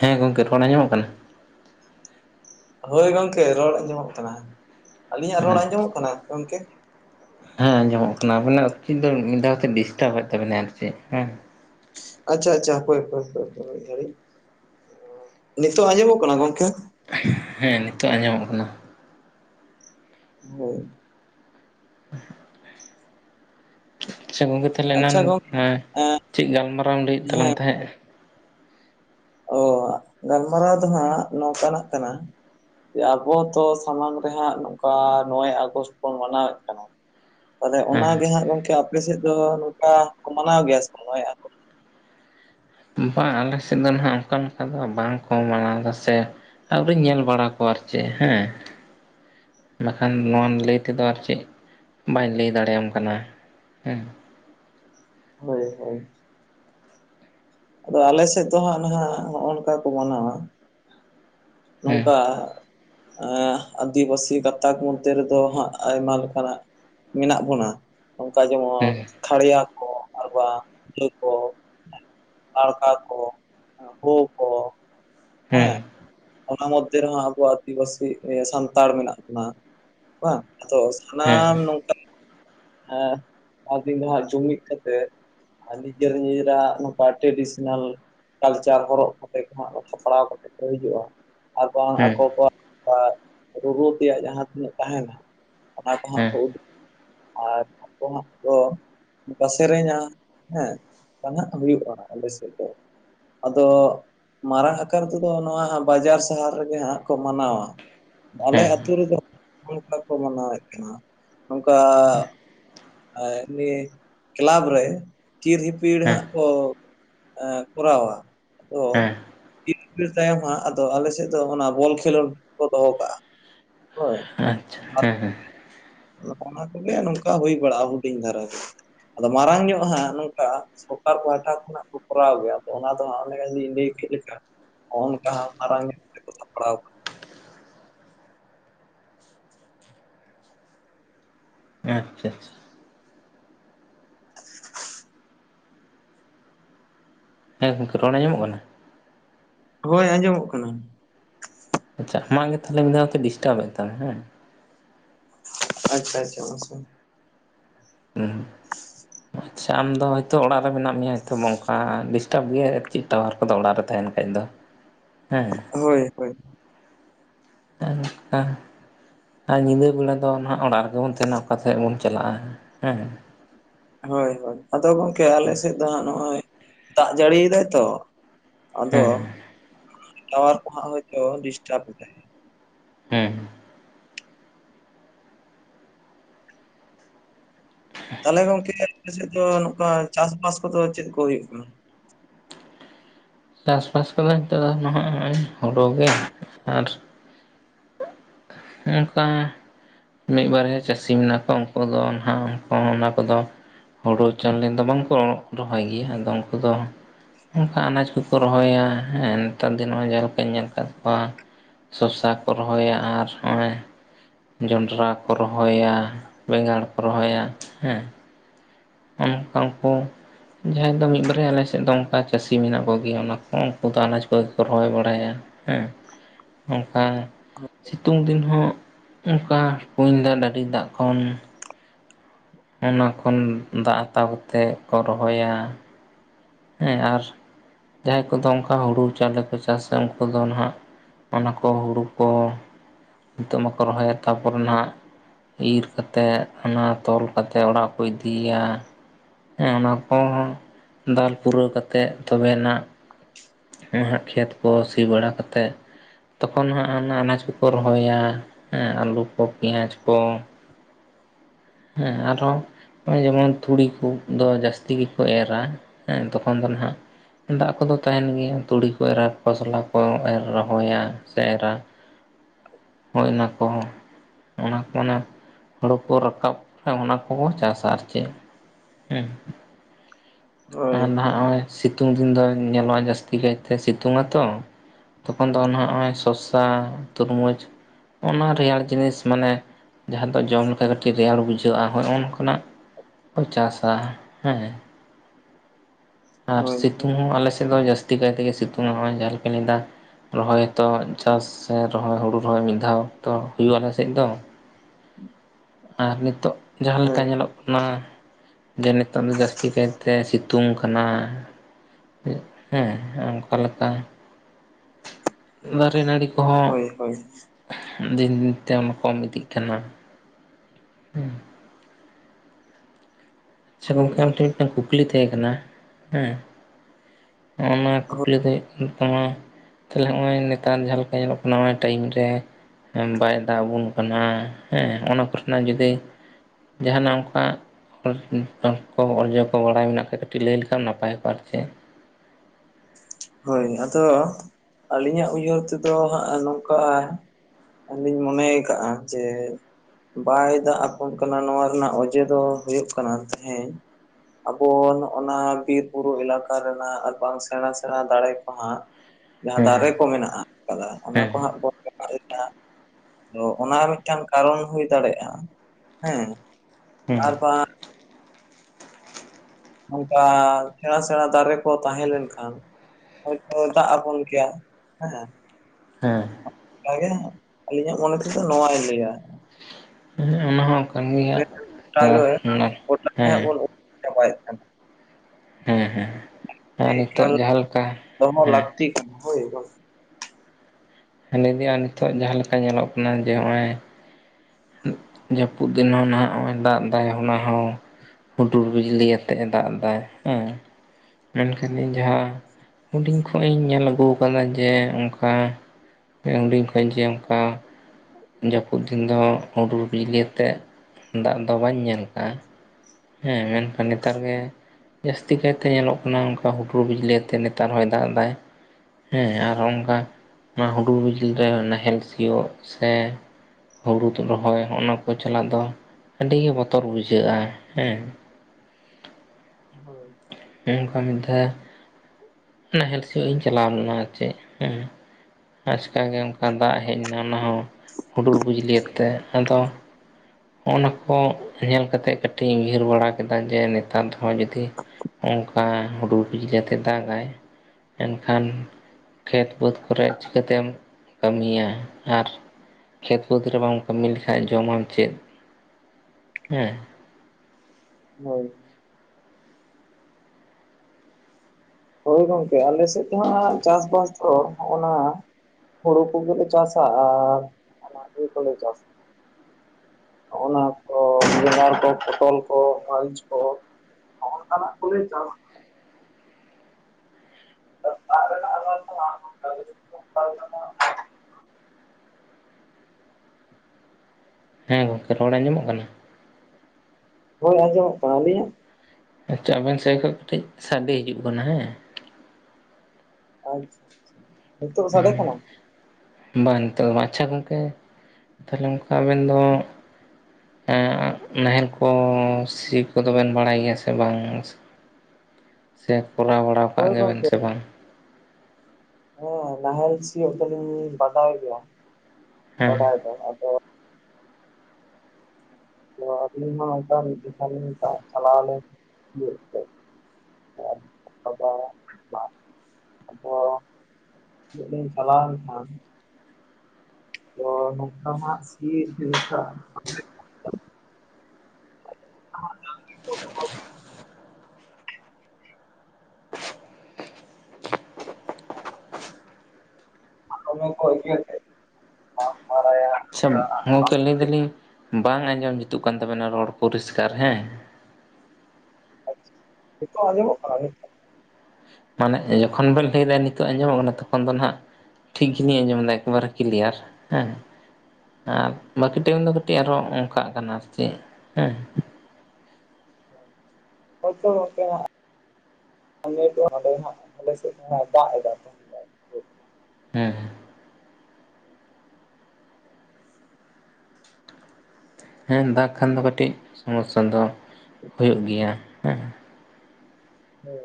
ᱦᱮᱸ ᱜᱚᱢᱠᱮ ᱯᱳᱚᱱ ᱟᱸᱡᱟᱢᱚᱜ ᱠᱟᱱᱟ᱾ ᱦᱳᱭ ᱜᱚᱝᱠᱮ ᱨᱚᱲ ᱟᱸᱡᱚᱢᱚᱜ ᱠᱟᱱᱟ, ᱟᱹᱞᱤᱧᱟᱜ ᱨᱚᱲ ᱦᱮᱸ ᱟᱸᱡᱚᱢᱚᱜ ᱠᱟᱱᱟ ᱜᱚᱢᱠᱮ? ᱦᱮᱸ ᱟᱸᱡᱚᱢᱚᱜ ᱠᱟᱱᱟ ᱟᱵᱤᱱᱟᱜ ᱟᱵᱤᱱᱟ ᱫᱚ ᱢᱤᱫ ᱫᱷᱟᱣᱛᱮ ᱰᱤᱥᱴᱟᱵᱮᱫ ᱛᱟᱵᱮᱱᱟ ᱟᱨᱪᱮ ᱦᱮᱸ᱾ ᱟᱪᱪᱷᱟ-ᱟᱪᱪᱷᱟ ᱦᱟᱯᱚᱭ ᱦᱚᱭ- ᱦᱚᱭ ᱢᱤᱫ ᱜᱷᱟᱹᱲᱤᱡ ᱱᱤᱛᱚᱜ ᱟᱸᱡᱚᱢᱚᱜ ᱠᱟᱱᱟ ᱜᱚᱝᱠᱮ? ᱦᱮᱸ ᱱᱤᱛᱚᱜ ᱟᱸᱡᱚᱢᱚᱜ ᱠᱟᱱᱟ᱾ ᱦᱚᱭ, [unintelligible] ᱟᱪᱪᱷᱟ ᱜᱚᱝᱠᱮ ᱛᱟᱦᱚᱞᱮ ᱮᱱᱟᱱ ᱟᱪᱪᱷᱟ ᱜᱚᱝᱠᱮ ᱪᱮᱫ ᱜᱟᱞᱢᱟᱨᱟᱣᱮᱢ ᱞᱟᱹᱭᱮᱫ ᱛᱟᱞᱟᱝ ᱦᱮᱸ ᱛᱟᱦᱮᱸᱫ? ᱚ ᱜᱟᱞᱢᱟᱨᱟᱣ ᱫᱚ ᱦᱟᱸᱜ ᱱᱚᱝᱠᱟᱱᱟᱜ ᱠᱟᱱᱟ ᱡᱮ ᱟᱵᱚ ᱛᱚ ᱥᱟᱢᱟᱝ ᱨᱮᱦᱟᱸᱜ ᱱᱚᱝᱠᱟ ᱱᱚᱭᱮ ᱟᱜᱚᱥᱴ ᱠᱚ ᱢᱟᱱᱟᱣᱮᱫ ᱠᱟᱱᱟ᱾ ᱛᱟᱦᱚᱞᱮ ᱚᱱᱟᱜᱮ ᱦᱮᱸ ᱦᱟᱸᱜ ᱜᱚᱝᱠᱮ ᱟᱯᱮ ᱥᱮᱫ ᱫᱚ ᱱᱚᱝᱠᱟ ᱠᱚ ᱢᱟᱱᱟᱣ ᱜᱮᱭᱟ ᱥᱮ ᱱᱚᱭ ᱟᱜ ᱵᱟᱝ ᱟᱞᱮ ᱥᱮᱫ ᱫᱚ ᱦᱟᱜ ᱚᱱᱠᱟ ᱞᱮᱠᱟ ᱫᱚ ᱵᱟᱝᱠᱚ ᱢᱟᱱᱟᱣᱫᱟ ᱥᱮ᱾ ᱟᱣᱨᱤᱧ ᱧᱮᱞ ᱵᱟᱲᱟ ᱠᱚᱣᱟ ᱟᱨ ᱪᱮᱜ ᱦᱮᱸ᱾ ᱵᱟᱠᱷᱟᱱ ᱱᱚᱣᱟ ᱞᱟᱹᱭ ᱛᱮᱫᱚ ᱟᱨ ᱪᱮᱜ᱾ ᱵᱟᱹᱧ ᱞᱟᱹᱭ ᱫᱟᱲᱮᱭᱟᱢ ᱠᱟᱱᱟ ᱦᱮᱸ। ᱦᱳᱭ ᱦᱳᱭ। ᱟᱫᱚ ᱟᱞᱮ ᱥᱮᱫ ᱫᱚ ᱦᱟᱸᱜ ᱱᱟᱦᱟᱜ ᱱᱚᱜᱼᱚ ᱱᱚᱝᱠᱟ ᱠᱚ ᱢᱟᱱᱟᱣᱟ। ᱦᱮᱸ ᱱᱚᱝᱠᱟ ᱮᱸ, ᱟᱹᱫᱤᱵᱟᱹᱥᱤ ᱜᱟᱛᱟᱠ ᱢᱚᱫᱽᱷᱮ ᱨᱮᱫᱚ, ᱦᱟᱸᱜ ᱟᱭᱢᱟ ᱞᱮᱠᱟᱱᱟᱜ। ᱢᱮᱱᱟᱜ ᱵᱚᱱᱟ ᱚᱱᱠᱟ ᱡᱮᱢᱚᱱ। ᱦᱮᱸ ᱠᱷᱟᱲᱭᱟ ᱠᱚ, ᱟᱨ ᱵᱟᱝ ᱤᱭᱟᱹ ᱠᱚ ᱞᱟᱲᱠᱟ ᱠᱚ ᱦᱳ ᱠᱚ ᱦᱮᱸ। ᱚᱱᱟ ᱢᱚᱫᱽᱫᱷᱮ ᱨᱮᱦᱚᱸ ᱟᱵᱚ ᱟᱹᱫᱤᱵᱟᱹᱥᱤ ᱥᱟᱱᱛᱟᱲ ᱢᱮᱱᱟᱜ ᱵᱚᱱᱟ ᱵᱟᱝ ᱟᱫᱚ। ᱦᱮᱸ ᱥᱟᱱᱟᱢ ᱱᱚᱝᱠᱟ ᱮᱸ, ᱥᱟᱨᱟᱫᱤᱱ ᱫᱚ ᱦᱟᱸᱜ, ᱡᱩᱢᱤᱫ ᱠᱟᱛᱮᱜ ᱟᱹᱰᱤ ᱜᱮ ᱧᱤᱨᱟ ᱱᱚᱝᱠᱟ ᱴᱮᱰᱤᱥᱚᱱᱟᱞ। ᱠᱟᱞᱪᱟᱨ ᱦᱚᱨᱚᱜ ᱠᱟᱛᱮ ᱜᱮ ᱦᱟᱸᱜ ᱥᱟᱯᱲᱟᱣ ᱠᱟᱛᱮ ᱠᱚ ᱦᱤᱡᱩᱜᱼᱟ ᱟᱨ ᱵᱟᱝ ᱦᱮᱸ ᱟᱠᱚ ᱠᱚᱣᱟᱜ। ᱵᱟ, ᱨᱩᱨᱩ ᱛᱮᱭᱟᱜ ᱡᱟᱦᱟᱸ ᱛᱤᱱᱟᱹᱜ ᱛᱟᱦᱮᱱᱟ, ᱚᱱᱟ ᱠᱚ ᱦᱟᱸᱜ ᱦᱮᱸ ᱠᱚ ᱩᱫᱩᱜ ᱟᱨ ᱟᱠᱚ ᱦᱟᱸᱜ ᱠᱚ ᱱᱚᱠᱟ ᱥᱮᱨᱮᱧᱟ ᱦᱮᱸ, ᱡᱟᱦᱱᱟᱜ ᱦᱳᱭᱩᱜᱼᱟ ᱟᱞᱮ ᱥᱮᱫ ᱫᱚ? ᱟᱫᱚ ᱢᱟᱨᱟᱝ ᱟᱠᱟᱨ ᱛᱮᱫᱚ, ᱱᱚᱶᱟ ᱵᱟᱡᱟᱨ ᱥᱟᱦᱟᱨ ᱨᱮᱜᱮ, ᱦᱟᱸᱜ ᱠᱚ ᱢᱟᱱᱟᱶᱼᱟ। ᱟᱞᱮ ᱦᱮᱸ ᱟᱹᱛᱳ ᱨᱮᱫᱚ ᱱᱚᱝᱠᱟ ᱠᱚ ᱢᱟᱱᱟᱣᱮᱜ ᱠᱟᱱᱟ ᱱᱚᱝᱠᱟ ᱟᱞᱮ ᱠᱞᱟᱵᱽ ᱨᱮ, ᱪᱤᱨ ᱦᱤᱯᱤᱲ ᱦᱮᱸ ᱦᱟᱸᱜ ᱠᱚ ᱮᱸ ᱠᱚᱨᱟᱣᱟ ᱦᱮᱸ ᱟᱫᱚ। ᱦᱮᱸ ᱜᱤᱫ ᱜᱨᱟᱹ ᱛᱟᱭᱚᱢ ᱦᱟᱸᱜ ᱟᱫᱚ ᱟᱞᱮᱥᱮᱫ ᱫᱚ ᱚᱱᱟ ᱵᱚᱞ ᱠᱷᱮᱞᱳᱰ ᱠᱚ ᱫᱚᱦᱚ ᱠᱟᱜᱼᱟ। ᱟᱪᱪᱷᱟ ᱦᱮᱸ ᱦᱮᱸ। ᱟ ᱚᱱᱟ ᱠᱚᱜᱮ ᱱᱚᱝᱠᱟ ᱦᱩᱭ ᱵᱟᱲᱟᱜᱼᱟ ᱦᱩᱰᱤᱧ ᱫᱷᱟᱨᱟ ᱜᱮ। ᱟᱫᱚ ᱢᱟᱨᱟᱝ ᱧᱚᱜ ᱦᱟᱸᱜ ᱱᱚᱝᱠᱟ। ᱥᱚᱨᱠᱟᱨ ᱯᱟᱦᱴᱟ ᱠᱷᱚᱱᱟᱜ ᱠᱚ ᱠᱚᱨᱟᱣ ᱫᱟ ᱚᱱᱟ ᱫᱚ ᱟᱞᱤᱧ ᱞᱤᱝ ᱞᱟ. ᱭ ᱠᱮᱫ ᱞᱮᱠᱟ। ᱚᱱᱠᱟ ᱦᱟᱜ ᱢᱟᱨᱟᱝ ᱧᱚᱜ, ᱛᱮᱠᱚ ᱥᱟᱯᱲᱟᱣ ᱟᱪᱪᱷᱟ ᱪᱷᱟ। ᱜᱚᱢᱠᱮ ᱨᱚᱲ ᱟᱸᱡᱚᱢᱚᱜ ᱠᱟᱱᱟ? ᱦᱳᱭ ᱟᱸᱡᱚᱢᱚᱜ ᱠᱟᱱᱟ ᱾ ᱟᱪᱪᱷᱟ ᱟᱢᱟᱜ ᱜᱮ ᱛᱟᱦᱚᱞᱮ ᱢᱤᱫ ᱫᱷᱟᱣ ᱛᱮ ᱰᱤᱥᱴᱟᱵ ᱮᱫ ᱛᱟᱢᱟ ᱦᱮᱸ ᱟᱪᱪᱷᱟ ᱟᱪᱪᱷᱟ ᱟᱪᱪᱷᱟ [unintelligible] ᱟᱪᱪᱷᱟ ᱟᱢᱫᱚ ᱦᱳᱭᱛᱳ ᱚᱲᱟᱜ ᱨᱮ ᱢᱮᱱᱟᱜ ᱢᱮᱭᱟ ᱛᱳ ᱱᱚᱝᱠᱟ ᱰᱤᱥᱴᱟᱵᱽ ᱜᱮᱭᱟ ᱟᱨ ᱪᱮᱫ ᱴᱟᱣᱟᱨ ᱠᱚᱫᱚ ᱚᱲᱟᱜ ᱨᱮ ᱛᱟᱸᱦᱮᱱ ᱠᱷᱟᱡ ᱫᱚ ᱦᱮᱸ ᱦᱳᱭ ᱦᱳᱭ [unintelligible] ᱟᱨ ᱧᱤᱫᱟᱹ ᱵᱮᱲᱟ ᱫᱚ ᱱᱟᱦᱟᱜ ᱚᱲᱟᱜ ᱨᱮᱜᱮ ᱵᱚᱱ ᱛᱟᱦᱮᱱᱟ ᱚᱠᱟ ᱥᱮᱫ ᱵᱚᱱ ᱪᱟᱞᱟᱜᱼᱟ ᱦᱮᱸ ᱦᱳᱭ ᱦᱳᱭ ᱟᱫᱚ ᱜᱚᱢᱠᱮ ᱟᱞᱮ ᱥᱮᱫ ᱫᱚ ᱱᱚᱜᱼᱚᱭ ᱫᱟᱜ ᱡᱟᱹᱲᱤᱭᱮᱫᱟᱭ ᱛᱚ ᱟᱫᱚ ᱦᱮᱸ ᱴᱟᱣᱟᱨ ᱠᱚᱸᱦᱟᱜ ᱦᱳᱭ ᱛᱚ ᱰᱤᱥᱴᱟᱯ ᱮᱫᱟᱭ᱾ ᱦᱮᱸ ᱛᱟᱦᱚᱞᱮ ᱜᱚᱝᱠᱮ ᱟᱯᱮᱥᱮᱫ ᱫᱚ ᱱᱚᱝᱠᱟ ᱪᱟᱥᱵᱟᱥ ᱠᱚᱫᱚ ᱪᱮᱫ ᱠᱚ ᱦᱩᱭᱩᱜ ᱠᱟᱱᱟ? ᱪᱟᱥᱵᱟᱥ ᱠᱚᱫᱚ ᱱᱤᱛᱚᱜ ᱫᱚ ᱱᱚᱜ ᱚᱭ ᱦᱩᱲᱩᱜ ᱜᱮ ᱟᱨ ᱚᱱᱠᱟ ᱢᱤᱫ ᱵᱟᱨᱭᱟ ᱪᱟᱹᱥᱤ ᱢᱮᱱᱟᱜ ᱠᱚᱣᱟ ᱩᱱᱠᱩ ᱫᱚ ᱱᱟᱦᱟᱜ ᱩᱱᱠᱩ ᱚᱱᱟ ᱠᱚᱫᱚ ᱦᱳᱲᱳ ᱪᱟᱣᱞᱮ ᱫᱚ ᱵᱟᱝᱠᱚ ᱨᱚᱦᱚᱭ ᱜᱮᱭᱟ ᱟᱫᱚ ᱩᱱᱠᱩ ᱫᱚ ᱚᱱᱠᱟ ᱟᱱᱟᱡᱽ ᱠᱚᱠᱚ ᱨᱚᱦᱚᱭᱟ ᱦᱮᱸ ᱱᱮᱛᱟᱨ ᱫᱤᱱ ᱡᱟ ᱡᱟ ᱞᱮᱠᱟᱧ ᱧᱮᱞ ᱟᱠᱟᱫ ᱛᱟᱠᱚᱣᱟ᱾ ᱥᱚᱥᱟ ᱠᱚ ᱨᱚᱦᱚᱭᱟ ᱟᱨ ᱱᱚᱜᱼᱚᱭ ᱡᱚᱸᱰᱨᱟ ᱠᱚ ᱨᱚᱦᱚᱭᱟ, ᱵᱮᱸᱜᱟᱲ ᱠᱚ ᱨᱚᱦᱚᱭᱟ ᱦᱮᱸ [unintelligible] ᱡᱟᱦᱟᱸᱭ ᱫᱚ ᱢᱤᱫ ᱵᱟᱨᱭᱟ ᱟᱞᱮᱥᱮᱫ ᱫᱚ ᱚᱱᱠᱟ ᱪᱟᱥᱤ ᱢᱮᱱᱟᱜ ᱠᱚᱜᱮᱭᱟ ᱚᱱᱟ ᱠᱚ ᱩᱱᱠᱩ ᱫᱚ ᱟᱱᱟᱡᱽ ᱠᱚ ᱜᱮᱠᱚ ᱨᱚᱦᱚᱭ ᱵᱟᱲᱟᱭᱟ᱾ ᱦᱮᱸ ᱚᱱᱠᱟ ᱥᱤᱛᱩᱝ ᱫᱤᱱ ᱦᱚᱸ ᱚᱱᱠᱟ ᱠᱩᱧ ᱫᱟᱜ ᱰᱟᱹᱰᱤ ᱫᱟᱜ ᱠᱷᱚᱱ ᱚᱱᱟ ᱠᱷᱚᱱ ᱫᱟᱜ ᱦᱟᱛᱟᱣ ᱠᱟᱛᱮ ᱠᱚ ᱨᱚᱦᱚᱭᱟ ᱦᱮᱸ ᱟᱨ ᱡᱟᱦᱟᱸᱭ ᱠᱚᱫᱚ ᱚᱱᱠᱟ ᱦᱩᱲᱩ ᱪᱟᱣᱞᱮ ᱠᱚ ᱪᱟᱥᱟ ᱩᱱᱠᱩ ᱫᱚ ᱱᱟᱜᱷ ᱚᱱᱟ ᱠᱚ ᱦᱩᱲᱩ ᱠᱚ ᱱᱤᱛᱚᱜ ᱢᱟᱠᱚ ᱨᱚᱦᱚᱭᱟ ᱛᱟᱯᱚᱨᱮ ᱱᱟᱜᱷ ᱤᱨ ᱠᱟᱛᱮᱫ ᱚᱱᱟ ᱛᱚᱞ ᱠᱟᱛᱮᱫ ᱚᱲᱟᱜ ᱠᱚ ᱤᱫᱤᱭᱟ᱾ ᱮᱸ ᱚᱱᱟ ᱠᱚᱦᱚᱸ ᱫᱟᱞ ᱯᱩᱨᱟᱹᱣ ᱠᱟᱛᱮᱫ ᱛᱚᱵᱮᱭᱱᱟ ᱱᱟᱦᱟᱜ ᱠᱷᱮᱛ ᱠᱚ ᱥᱤ ᱵᱟᱲᱟ ᱠᱟᱛᱮᱫ ᱛᱚᱠᱷᱚᱱ ᱦᱟᱸᱜ ᱚᱱᱟ ᱟᱱᱟᱡᱽ ᱠᱚᱠᱚ ᱨᱚᱦᱚᱭᱟ ᱦᱮᱸ ᱟᱹᱞᱩ ᱠᱚ ᱯᱮᱸᱭᱟᱡᱽ ᱠᱚ ᱦᱮᱸ ᱟᱨ ᱦᱚᱸ ᱱᱚᱜ ᱚᱭ ᱡᱮᱢᱚᱱ ᱛᱩᱲᱤ ᱠᱚᱫᱚ ᱡᱟᱹᱥᱛᱤ ᱜᱮᱠᱚ ᱮᱨᱟ ᱦᱮᱸ ᱛᱚᱠᱷᱚᱱ ᱫᱚ ᱱᱟᱜᱷ ᱫᱟᱜ ᱠᱚᱫᱚ ᱛᱟᱦᱮᱱ ᱜᱮᱭᱟ ᱛᱩᱲᱤ ᱠᱚ ᱮᱨᱟ ᱠᱷᱚᱥᱞᱟ ᱠᱚ ᱮᱨ ᱨᱚᱦᱚᱭᱟ ᱥᱮ ᱮᱨᱟ᱾ ᱦᱳᱭ ᱚᱱᱟ ᱠᱚᱦᱚᱸ ᱚᱱᱟ ᱚᱱᱟ ᱦᱳᱲᱳ ᱠᱚ ᱨᱟᱠᱟᱵ ᱚᱱᱟ ᱠᱚᱵᱚ ᱪᱟᱥᱟ ᱟᱨ ᱪᱮᱫ ᱦᱮᱸ ᱦᱳᱭ ᱟᱨ ᱱᱟᱦᱟᱜ ᱱᱚᱜᱚᱭ ᱥᱤᱛᱩᱝ ᱫᱤᱱ ᱫᱚ ᱧᱮᱞᱚᱜᱼᱟ ᱡᱟᱹᱥᱛᱤ ᱠᱟᱭᱛᱮ ᱥᱤᱛᱩᱝ ᱟᱛᱚ ᱛᱚᱠᱷᱚᱱ ᱫᱚ ᱱᱚᱜᱼᱚᱭ ᱥᱚᱥᱟ ᱛᱩᱨᱢᱩᱡᱽ, ᱚᱱᱟ ᱨᱮᱭᱟᱲ ᱡᱤᱱᱤᱥ ᱢᱟᱱᱮ ᱡᱟᱦᱟᱸ ᱫᱚ ᱡᱚᱢ ᱞᱮᱠᱷᱟᱡ ᱠᱟᱹᱴᱤᱡ ᱨᱮᱭᱟᱲ ᱵᱩᱡᱷᱟᱹᱜᱼᱟ ᱦᱚᱸᱜ ᱚ ᱱᱚᱝ ᱠᱟᱱᱟᱜᱷ ᱠᱚ ᱪᱟᱥᱟ ᱦᱮᱸ ᱟᱨ ᱦᱳᱭ ᱦᱳᱭ ᱥᱤᱛᱩᱝ ᱦᱚᱸ ᱟᱞᱮ ᱥᱮᱫ ᱫᱚ ᱡᱟᱹᱥᱛᱤ ᱠᱟᱭ ᱛᱮᱜᱮ ᱥᱤᱛᱩᱝ-ᱟ ᱱᱚᱜᱼ ᱚᱭ ᱡᱟᱸᱦᱟ ᱞᱮᱠᱟ ᱨᱚᱦᱚᱭ ᱛᱚ ᱪᱟᱥ ᱥᱮ ᱨᱚᱦᱚᱭ ᱦᱩᱲᱩ ᱨᱚᱦᱚᱭ ᱢᱤᱫ ᱫᱷᱟᱣ ᱛᱚ ᱦᱩᱭᱩᱜᱼᱟ ᱟᱞᱮᱥᱮᱫ ᱫᱚ ᱟᱨ ᱱᱤᱛᱚᱜ ᱡᱟᱦᱟᱸ ᱞᱮᱠᱟ ᱦᱳᱭ ᱧᱮᱞᱚᱜ ᱠᱟᱱᱟ ᱡᱮ ᱱᱮᱛᱟᱨ ᱫᱚ ᱡᱟᱹᱥᱛᱤ ᱠᱟᱭᱛᱮ ᱥᱤᱛᱩᱝ ᱠᱟᱱᱟ ᱦᱮᱸ ᱚᱱᱠᱟ ᱞᱮᱠᱟ ᱫᱟᱨᱮ ᱱᱟᱲᱤ ᱠᱚᱦᱚᱸ ᱦᱳᱭ ᱦᱳᱭ ᱫᱤᱱ ᱫᱤᱱ ᱛᱮ ᱚᱱᱟ ᱠᱚᱢ ᱤᱫᱤᱜ ᱠᱟᱱᱟ [unintelligible] ᱟᱪᱷᱟ ᱜᱚᱢᱠᱮ ᱟᱢ ᱴᱮᱱ ᱢᱤᱫᱴᱟᱝ ᱠᱩᱠᱞᱤ ᱛᱟᱦᱮᱸ ᱠᱟᱱᱟ ᱦᱮᱸ? ᱚᱱᱟ ᱦᱳᱭ ᱠᱩᱠᱞᱤ ᱫᱚ ᱦᱩᱭᱩᱜ ᱠᱟᱱᱟ ᱛᱟᱦᱚᱞᱮ ᱱᱚᱜᱼᱚᱭ ᱱᱮᱛᱟᱨ ᱡᱟᱦᱟᱸ ᱞᱮᱠᱟ ᱧᱮᱞᱚᱜ ᱠᱟᱱᱟ ᱴᱟᱭᱤᱢ ᱨᱮ ᱵᱟᱭ ᱫᱟᱜ ᱟᱵᱚᱱ ᱠᱟᱱᱟ ᱦᱮᱸ ᱚᱱᱟ ᱠᱚᱨᱮᱱᱟᱜ ᱡᱩᱫᱤ ᱡᱟᱦᱟᱱᱟᱜ ᱚᱱᱠᱟ ᱠᱚ ᱚᱨᱡᱚ ᱠᱚ ᱵᱟᱲᱟᱭ ᱢᱮᱱᱟᱜ ᱠᱷᱟᱡ ᱠᱟᱹᱴᱤᱡ ᱞᱟᱹᱭ ᱞᱮᱠᱷᱟᱱ ᱱᱟᱯᱟᱭ ᱠᱚᱼᱟ ᱟᱨ ᱪᱮᱫ? ᱦᱳᱭ ᱟᱫᱚ ᱟᱹᱞᱤᱧᱟᱜ ᱩᱭᱦᱟᱹᱨ ᱛᱮᱫᱚ ᱦᱟᱸᱜ ᱱᱚᱝᱠᱟ ᱟᱹᱞᱤᱧ ᱢᱚᱱᱮᱭ ᱠᱟᱜᱼᱟ ᱡᱮ ᱵᱟᱭ ᱫᱟᱜ ᱟᱠᱚᱢ ᱠᱟᱱᱟ ᱱᱚᱣᱟ ᱨᱮᱱᱟᱜ ᱚᱡᱮ ᱫᱚ ᱦᱩᱭᱩᱜ ᱠᱟᱱᱟ ᱛᱮᱦᱮᱧ ᱟᱵᱚ ᱱᱚᱜᱱᱟ ᱵᱤᱨ ᱵᱩᱨᱩ ᱮᱞᱟᱠᱟ ᱨᱮᱱᱟᱜ ᱟᱨ ᱵᱟᱝᱟᱝ ᱥᱮᱬᱟ ᱥᱮᱬᱟ ᱫᱟᱨᱮ ᱠᱚ ᱦᱟᱸᱜ ᱡᱟᱦᱟᱸ ᱦᱮᱸ ᱫᱟᱨᱮ ᱠᱚ ᱢᱮᱱᱟᱜ ᱟᱠᱟᱫᱟ ᱚᱱᱟ ᱦᱮᱸ ᱠᱚ ᱦᱟᱸᱜ ᱵᱚᱱ [unintelligible] ᱟᱫᱚ ᱚᱱᱟ ᱢᱤᱫᱴᱟᱝ ᱠᱟᱨᱚᱱ ᱦᱩᱭ ᱫᱟᱲᱮᱭᱟᱜᱼᱟ ᱦᱮᱸ ᱦᱮᱸ ᱟᱨ ᱵᱟᱝ ᱚᱱᱠᱟ ᱥᱮᱬᱟ ᱥᱮᱬᱟ ᱫᱟᱨᱮ ᱠᱚ ᱛᱟᱦᱮᱸ ᱞᱮᱱᱠᱷᱟᱱ ᱦᱚᱭᱛᱚ ᱫᱟᱜ ᱟᱵᱚᱱ ᱠᱮᱭᱟ ᱦᱮᱸ ᱦᱮᱸ ᱚᱱᱟᱜᱮ ᱟᱹᱞᱤᱧᱟᱜ ᱢᱚᱱᱮ ᱛᱮᱫᱚ ᱱᱚᱣᱟᱭ ᱞᱟᱹᱭᱟ ᱦᱮᱸ ᱚᱱᱟ ᱦᱚᱸ ᱠᱟᱱ ᱜᱮ ᱜᱮᱭᱟ ᱦᱮᱸ ᱜᱚᱴᱟᱜᱮ ᱦᱮᱸ ᱦᱟᱸᱜ ᱵᱚᱱ ᱪᱟᱵᱟᱭᱮᱫ ᱠᱟᱱᱟ [unintelligible] ᱦᱮᱸ ᱦᱮᱸ ᱜᱮ ᱟᱨ ᱱᱤᱛᱚᱜ ᱮᱠᱟᱞ ᱡᱟᱦᱟᱸ ᱞᱮᱠᱟ ᱫᱚᱦᱚ ᱞᱟ. ᱜᱛᱤ ᱠᱟᱱᱟ ᱦᱚᱭ ᱦᱮ ᱱᱤᱫᱮᱼᱟ ᱱᱤᱛᱚᱜ ᱡᱟᱦᱟᱸ ᱞᱮᱠᱟ ᱧᱮᱞᱚᱜ ᱠᱟᱱᱟ ᱡᱮ ᱱᱚᱜᱼᱚᱭ ᱡᱟᱹᱯᱩᱫ ᱫᱤᱱ ᱦᱚᱸ ᱱᱟᱦᱟᱜ ᱱᱚᱜᱼᱚᱭ ᱫᱟᱜ ᱫᱟᱭ ᱚᱱᱟ ᱦᱚᱸ ᱦᱩᱰᱩᱨ ᱵᱤᱡᱽᱞᱤ ᱟᱛᱮᱜ ᱮ ᱫᱟᱜ ᱮᱫᱟ ᱦᱮᱸ ᱢᱮᱱᱠᱷᱟᱱ ᱤᱧ ᱡᱟᱦᱟᱸ ᱦᱩᱰᱤᱧ ᱠᱷᱚᱱ ᱤᱧ ᱧᱮᱞ ᱟᱹᱜᱩ ᱟᱠᱟᱫᱟ ᱡᱮ ᱚᱱᱠᱟ ᱤᱝᱨᱤᱢ ᱠᱷᱚᱱᱚᱡᱧ ᱡᱚᱢᱠᱟᱼᱟ [unintelligible] ᱡᱟᱹᱯᱩᱫ ᱫᱤᱱ ᱫᱚ ᱦᱩᱰᱩᱨ ᱵᱤᱡᱽᱞᱤ ᱟᱛᱮᱮᱫ ᱫᱟᱜ ᱫᱚ ᱵᱟᱹᱧ ᱧᱮᱞ ᱟᱠᱟᱟᱜᱼᱟ᱾ ᱦᱮᱸ ᱢᱮᱱᱠᱷᱟᱱ ᱱᱮᱛᱟᱨ ᱜᱮ ᱡᱟᱹᱥᱛᱤ ᱠᱟᱭᱛᱮ ᱧᱮᱞᱚᱜ ᱠᱟᱱᱟ ᱚᱱᱠᱟ ᱦᱩᱰᱨ ᱵᱤᱡᱽᱞᱤᱛᱮ ᱱᱮᱛᱟᱨ ᱦᱚᱭ ᱫᱟᱜ ᱮᱫᱟᱭ ᱦᱮᱸ ᱟᱨ ᱚᱱᱠᱟ ᱚᱱᱟ ᱦᱩᱰᱩ ᱵᱤᱡᱽᱞᱤ ᱨᱮ ᱱᱟᱦᱮᱞ ᱥᱤᱭᱳᱜ ᱥᱮ ᱦᱩᱲᱩ ᱨᱚᱦᱚᱭ ᱚᱱᱟ ᱠᱚ ᱪᱟᱞᱟᱜ ᱫᱚ ᱟᱹᱰᱤᱜᱮ ᱵᱚᱛᱚᱨ ᱵᱩᱡᱷᱟᱹᱜᱼᱟ ᱦᱮᱸ᱾ ᱦᱳᱭ ᱾ ᱚᱱᱠᱟ ᱢᱤᱫ ᱫᱷᱟᱣ ᱱᱟᱦᱮᱞ ᱥᱤᱭᱩᱜ ᱤᱧ ᱪᱟᱞᱟᱣ ᱞᱮᱱᱟ ᱪᱮᱫ ᱦᱮᱸ ᱟᱪᱠᱮ ᱚᱱᱠᱟ ᱫᱟᱜ ᱦᱮᱡ ᱮᱱᱟ ᱚᱱᱟ ᱦᱚᱸ ᱦᱩᱰᱩᱨ ᱵᱩᱡᱽ ᱞᱤᱭ ᱛᱮ ᱟᱫᱚ ᱦᱚᱸᱜᱼ ᱱᱟ ᱠᱚ ᱧᱮᱞ ᱠᱟᱛᱮᱜ ᱠᱟᱹᱴᱤᱡ ᱤᱧ ᱩᱭᱦᱟᱹᱨ ᱵᱟᱲᱟ ᱠᱮᱫᱟ ᱡᱮ ᱱᱮᱛᱟᱨ ᱫᱚ ᱡᱩᱫᱤ ᱚᱱᱠᱟ ᱦᱩᱰᱩᱨ-ᱵᱤᱡᱽᱞᱤᱛᱮ ᱫᱟᱜᱟᱭ ᱢᱮᱱᱠᱷᱟᱱ ᱠᱷᱮᱛ ᱵᱟᱹᱫᱽ ᱠᱚᱨᱮ ᱪᱤᱠᱟᱹᱛᱮᱢ ᱠᱟᱹᱢᱤᱭᱟ ᱟᱨ ᱠᱷᱮᱛ ᱵᱷᱚᱛ ᱨᱮ ᱵᱟᱢ ᱠᱟᱹᱢᱤ ᱞᱮᱠᱷᱟᱱᱡ ᱡᱚᱢᱟᱢ ᱪᱮᱫ? ᱦᱮᱸ ᱦᱳᱭ ᱾ ᱦᱚᱳᱭ ᱜᱚᱝᱠᱮ ᱟᱞᱮ ᱥᱮᱫ ᱫᱚ ᱦᱟᱜ ᱪᱟᱥᱵᱟᱥ ᱠᱚ ᱚᱱᱟ ᱦᱩᱲᱩ ᱠᱚᱜᱮᱞᱮ ᱪᱟᱥᱟ ᱟᱨ ᱟᱤᱭᱟᱹ ᱠᱚᱞᱮ ᱪᱟᱥᱟ ᱚᱱᱟ ᱠᱚ ᱵᱮᱜᱟᱲ ᱠᱚ, ᱯᱚᱴᱚᱞ ᱠᱚ, ᱢᱟᱹᱨᱤᱪ ᱠᱚ, ᱚᱱᱠᱟᱱᱟᱜ ᱠᱚᱞᱮ ᱪᱟᱥᱼᱟ᱾ ᱫᱟᱜ ᱨᱮᱭᱟᱜ ᱚᱵᱷᱟᱵ [unintelligible] ᱦᱮᱸ ᱜᱚᱝᱠᱮ ᱨᱚᱲ ᱟᱸ ᱧᱟᱢᱚᱜ ᱠᱟᱱᱟ ᱾ ᱦᱳᱭ ᱟᱸᱡᱚᱢᱚᱜ ᱠᱟᱱᱟ ᱩᱱᱤᱭᱟᱜ ᱟᱪᱷᱟ ᱟᱵᱮᱱ ᱥᱮᱫ ᱠᱷᱚᱱᱚᱡ ᱠᱟᱹᱴᱤᱡ ᱥᱟᱰᱮ ᱦᱤᱡᱩᱜ ᱠᱟᱱᱟ ᱦᱮᱸ ᱟᱪᱷᱟ ᱟᱪᱷᱟ ᱱᱤᱛᱚᱜ ᱥᱟᱰᱮ ᱠᱟᱱᱟ ᱾ ᱵᱟᱝ ᱱᱤᱛᱚᱜ ᱫᱚ ᱵᱟᱝ ᱟᱪᱷᱟ ᱜᱚᱢᱠᱮ ᱛᱟᱦᱚᱞᱮ ᱚᱱᱠᱟ ᱟᱵᱮᱱ ᱫᱚ ᱱᱟᱦᱮᱞ ᱠᱚ ᱥᱤ ᱠᱚᱫᱚ ᱵᱮᱮᱱ ᱵᱟᱲᱟᱭ ᱜᱮᱭᱟ ᱥᱮ ᱵᱟᱝ? ᱥᱮ ᱠᱚᱨᱟᱣ ᱵᱟᱲᱟ ᱠᱟᱜ ᱦᱳᱭ ᱜᱮᱵᱮᱱ ᱜᱚᱝᱠᱮ ᱥᱮ ᱵᱟᱝ? ᱦᱮᱸ ᱱᱟᱦᱮᱞ ᱥᱤᱭᱳᱜ ᱫᱚᱞᱤᱧ ᱵᱟᱰᱟᱭ ᱜᱮᱭᱟ ᱦᱮᱸ ᱵᱟᱰᱟᱭ ᱫᱚ ᱾ ᱠᱟ ᱪᱟᱣ [unintelligible] ᱟᱫᱚ ᱟ [unintelligible] ᱢᱤᱫ ᱫᱷᱟᱹᱧ ᱪᱟᱞᱟᱣ ᱞᱮᱱᱟ ᱛᱚ ᱱᱚᱝᱠᱟ ᱢᱟ ᱥᱤᱭᱮ ᱜᱮᱭᱟ ᱦᱟᱸᱜ ᱟᱠᱚ ᱢᱟᱠᱚ ᱜᱮᱫ ᱮᱫ [unintelligible] ᱟᱪᱪᱷᱟ ᱜᱚᱝᱠᱮ ᱞᱟᱹᱭ ᱫᱟᱹᱞᱤᱧ ᱵᱟᱝ ᱟᱸᱡᱚᱢ ᱡᱩᱛᱚᱜ ᱠᱟᱱ ᱛᱟᱵᱮᱱᱟ ᱨᱚᱲ ᱯᱚᱨᱤᱥᱠᱟᱨ ᱦᱮᱸ ᱱᱤᱛᱚᱜ ᱟᱸᱡᱚᱢᱚᱜ ᱠᱟᱱᱟ ᱠᱤ ᱢᱟᱱᱮ ᱡᱚᱠᱷᱚᱱ ᱵᱮᱱ ᱞᱟᱹᱭ ᱫᱟ ᱱᱤᱛᱚᱜ ᱟᱸᱡᱚᱢᱚᱜ ᱠᱟᱱᱟ ᱛᱚᱠᱷᱚᱱ ᱫᱚ ᱦᱟᱸᱜ ᱴᱷᱤᱠ ᱜᱮᱞᱤᱧ ᱟᱸᱡᱚᱢ ᱮᱫᱟ ᱮᱠᱵᱟᱨᱮ ᱠᱞᱤᱭᱟᱨ ᱦᱮᱸ᱾ ᱟᱨ ᱵᱟᱠᱤ ᱴᱟᱭᱤᱢ ᱫᱚ ᱠᱟᱹᱴᱤᱡ ᱟᱨᱦᱚᱸ ᱚᱱᱠᱟᱜ ᱠᱟᱱᱟ ᱟᱨ ᱪᱮᱫ ᱦᱮᱸ ᱦᱳᱭ ᱛᱚ ᱜᱚᱝᱠᱮ ᱢᱟ ᱦᱟᱸᱜ ᱱᱤᱛᱚᱜ ᱱᱚᱰᱮ ᱦᱟᱸᱜ ᱟᱞᱮ ᱥᱮᱫ ᱢᱟᱭ ᱫᱟᱜ ᱮᱫᱟ ᱛᱟᱦᱮᱸ ᱦᱮᱸ ᱦᱮᱸ ᱫᱟᱜ ᱠᱷᱟᱱ ᱫᱚ ᱠᱟᱹᱴᱤᱡ ᱥᱚᱢᱚᱥᱥᱟ ᱫᱚ ᱦᱩᱭᱩᱜ ᱜᱮᱭᱟ ᱦᱮᱸ ᱦᱳᱭ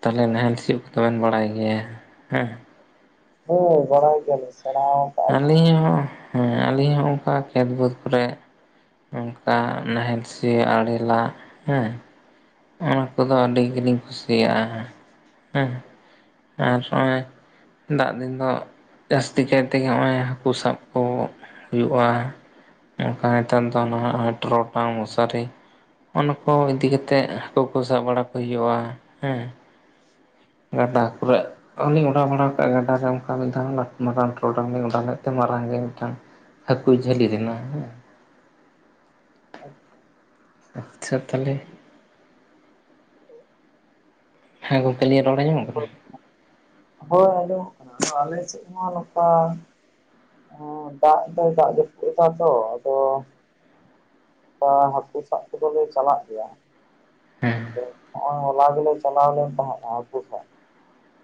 ᱛᱟᱦᱚᱞᱮ ᱱᱟᱦᱮᱞ ᱥᱤᱭᱩᱜ ᱠᱚᱵᱮᱱ ᱵᱟᱲᱟᱭ ᱜᱮᱭᱟ ᱦᱮᱸ ᱦᱳᱭ ᱵᱟᱲᱟᱭ ᱜᱮᱭᱟ ᱞᱤᱧ ᱥᱮᱲᱟᱣ ᱟᱹᱞᱤᱧ ᱦᱚᱸ ᱦᱮᱸ ᱟᱹᱞᱤᱧ ᱦᱚᱸ ᱚᱱᱠᱟ ᱠᱷᱮᱛ ᱵᱟᱹᱫᱽ ᱠᱚᱨᱮ ᱚᱱᱠᱟ ᱱᱟᱦᱮᱞ ᱥᱤᱭᱚᱜ ᱟᱲᱮ ᱞᱟᱜ ᱦᱮᱸ ᱚᱱᱟ ᱠᱚᱫᱚ ᱟᱹᱰᱤ ᱜᱮᱞᱤᱧ ᱠᱩᱥᱤᱭᱟᱜᱼᱟ ᱦᱮᱸ ᱟᱨ ᱱᱚᱜᱼᱚᱭ ᱫᱟᱜ ᱫᱤᱱ ᱫᱚ ᱡᱟᱹᱥᱛᱤ ᱠᱟᱭ ᱛᱮ ᱱᱚᱜᱼᱚᱭ ᱦᱟᱹᱠᱩ ᱥᱟᱵ ᱠᱚ ᱦᱩᱭᱩᱜᱼᱟ ᱚᱱᱠᱟ ᱱᱮᱛᱟᱨ ᱫᱚ ᱱᱚ ᱦᱟᱜ ᱴᱚᱨᱚᱰᱟᱝ ᱢᱚᱥᱟᱨᱤ ᱚᱱᱟ ᱠᱚ ᱤᱫᱤ ᱠᱟᱛᱮ ᱛᱮᱜ ᱦᱟᱹᱠᱩ ᱠᱚ ᱥᱟᱵ ᱵᱟᱲᱟ ᱠᱚ ᱦᱩᱭᱩᱜᱼᱟ ᱦᱮᱸ ᱜᱟᱰᱟ ᱠᱚᱨᱮ ᱟᱨᱞᱤᱧ ᱚᱰᱟᱣ ᱵᱟᱲᱟ ᱠᱟᱜᱼᱟ ᱜᱟᱰᱟᱨᱮ ᱚᱱᱠᱟ ᱢᱤᱫ ᱫᱷᱟᱣ ᱢᱟᱨᱟᱝ ᱴᱚᱨᱚᱰᱟᱝ ᱞᱤᱧ ᱚᱰᱟᱣ ᱞᱮᱫ ᱛᱮ ᱢᱟᱨᱟᱝ ᱜᱮ ᱢᱤᱫᱴᱟᱝ ᱦᱟᱹᱠᱩᱭ ᱡᱷᱟᱹᱞᱤ ᱞᱮᱱᱟ ᱦᱮᱸ ᱟᱪᱪᱷᱟ ᱟᱪᱪᱷᱟ ᱛᱟᱦᱚᱞᱮ ᱦᱮᱸ ᱜᱚᱝᱠᱮ ᱟᱹᱞᱤᱧᱟ ᱨᱚᱲ ᱟᱸᱡᱚᱢᱚᱜ ᱠᱟᱱᱟ ᱦᱳᱭ ᱟᱸᱡᱚᱢᱚᱜ ᱠᱟᱱᱟ ᱟᱫᱚ ᱟᱞᱮ ᱥᱮᱫ ᱢᱟ ᱱᱚᱝᱠᱟ ᱦᱮᱸ ᱫᱟᱜ ᱫᱚᱭ ᱫᱟᱜ ᱡᱟᱹᱯᱩᱫ ᱫᱟ ᱛᱚ ᱟᱫᱚ ᱦᱮᱸ ᱦᱟᱹᱠᱩ ᱥᱟᱵ ᱠᱚᱫᱚ ᱞᱮ ᱪᱟᱞᱟᱜ ᱜᱮᱭᱟ ᱾ ᱦᱮᱸ ᱾ ᱞᱟᱹᱭ ᱫᱟᱹᱧ ᱱᱚᱜᱼᱚᱭ ᱦᱚᱞᱟ ᱜᱮᱞᱮ ᱪᱟᱞᱟᱣ ᱞᱮᱱ ᱛᱟᱦᱮᱸ ᱦᱟᱸᱜ ᱦᱟᱹᱠᱩ ᱠᱚ᱾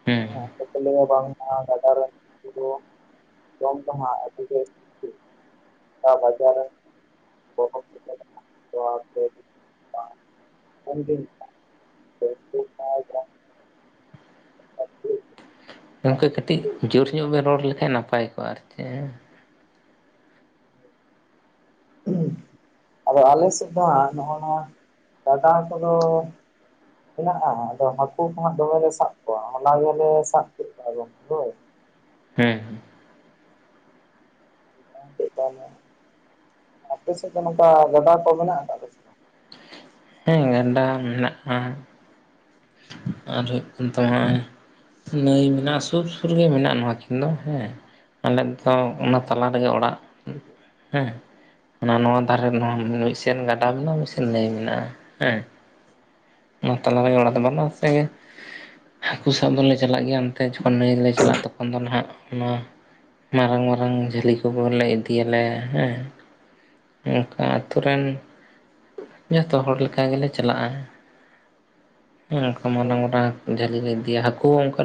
ᱦᱮᱸ ᱦᱮᱸᱪᱮᱠ ᱠᱚ ᱞᱟᱹᱭᱟ ᱵᱟᱝ ᱢᱟ ᱜᱟᱰᱟᱨᱮᱱ ᱦᱟᱹᱠᱩ ᱡᱚᱢ ᱛᱮᱦᱚᱸ ᱟᱹᱰᱤ ᱜᱮ ᱥᱤᱵᱤᱞ ᱟᱨ ᱵᱟᱡᱟᱨ ᱨᱮᱱ [unintelligible] [inaudible] ᱜᱚᱝᱠᱮ ᱠᱟᱹᱴᱤᱡ ᱡᱳᱨ ᱧᱚᱜ ᱵᱮᱱ ᱨᱚᱲ ᱞᱮᱠᱷᱟᱡ ᱱᱟᱯᱟᱭ ᱠᱚᱜᱼᱟ ᱟᱨ ᱪᱮᱫ ᱦᱮᱸ ᱟᱫᱚ ᱟᱞᱮ ᱥᱮᱫ ᱫᱚ ᱦᱟᱸᱜ ᱱᱚᱜᱼᱚᱭ ᱱᱟ ᱜᱟᱰᱟ ᱠᱚᱫᱚ ᱢᱮᱱᱟᱜᱼᱟ ᱟᱫᱚ ᱦᱟᱹᱠᱩ ᱠᱚ ᱦᱟᱸᱜ ᱫᱚᱢᱮ ᱞᱮ ᱥᱟᱵ ᱠᱚᱣᱟ ᱦᱚᱞᱟ ᱜᱮᱞᱮ ᱥᱟᱵ ᱠᱮᱫ ᱠᱚᱣᱟ ᱜᱚᱝᱠᱮ ᱦᱳᱭ ᱦᱮᱸ ᱦᱮᱸᱪᱮᱫ ᱠᱟ ᱧᱚᱜ ᱮ ᱟᱯᱮ ᱥᱮᱫ ᱫᱚ ᱱᱚᱝᱠᱟ ᱜᱟᱰᱟ ᱠᱚ ᱢᱮᱱᱟᱜᱼᱟ ᱟᱠᱟᱫᱟ ᱥᱮ? ᱵᱟᱝ? ᱦᱮᱸ ᱜᱟᱰᱟ ᱢᱮᱱᱟᱜᱼᱟ ᱾ ᱟᱨ ᱫᱚᱣᱟᱭ ᱱᱟᱹᱭ ᱢᱮᱱᱟᱜᱼᱟ ᱥᱩᱨ ᱥᱩᱨ ᱜᱮ ᱢᱮᱱᱟᱜᱼᱟ ᱱᱚᱣᱟ ᱠᱤᱱ ᱫᱚ ᱦᱮᱸ᱾ ᱟᱞᱮ ᱫᱚ ᱚᱱᱟ ᱛᱟᱞᱟ ᱨᱮᱜᱮ ᱚᱲᱟᱜ ᱦᱮᱸ᱾ ᱚᱱᱟ ᱱᱚᱣᱟ ᱫᱷᱟᱨᱮ ᱱᱚᱣᱟ ᱢᱤᱫᱥᱮᱱ ᱜᱟᱰᱟ ᱢᱮᱱᱟᱜᱼᱟ ᱢᱤᱫᱥᱮᱱ ᱱᱟᱹᱭ ᱢᱮᱱᱟᱜᱼᱟ ᱦᱮᱸ ᱚᱱᱟ ᱛᱟᱞᱟ ᱨᱮ ᱚᱲᱟᱜ ᱫᱚ ᱵᱟᱱᱩᱜᱼᱟ ᱛᱮᱜᱮ ᱦᱟᱹᱠᱩ ᱥᱟᱵ ᱫᱚᱞᱮ ᱪᱟᱞᱟᱜ ᱜᱮᱭᱟ ᱚᱱᱛᱮ ᱡᱷᱚ ᱱᱟᱹᱭ ᱞᱮ ᱪᱟᱞᱟᱜ ᱛᱚᱠᱷᱚᱱ ᱫᱚ ᱱᱟᱦᱟᱜ ᱱᱚᱱᱟ ᱢᱟᱨᱟᱝ ᱢᱟᱨᱟᱝ ᱡᱷᱟᱹᱞᱤ ᱠᱚᱦᱚ ᱞᱮ ᱤᱫᱤᱭᱟᱞᱮ ᱦᱮᱸ᱾ ᱚᱱᱠᱟ ᱟᱹᱛᱷᱩ ᱨᱮᱱ ᱡᱚᱛᱚ ᱦᱚᱲ ᱞᱮᱠᱟ ᱜᱮᱞᱮ ᱪᱟᱞᱟᱜᱼᱟ᱾ ᱦᱮᱸ ᱚᱱᱠᱟ ᱢᱚᱸᱴᱟ ᱢᱚᱸᱴᱟ ᱡᱷᱟᱹᱞᱤ ᱞᱮ ᱤᱫᱤᱭᱟ ᱦᱟᱹᱠᱩ ᱦᱚᱸ ᱚᱱᱠᱟ